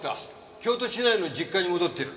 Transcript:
京都市内の実家に戻っている」